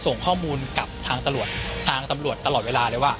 ส่งข้อมูลกับทางตำรวจทางตำรวจตลอดเวลาเลยว่า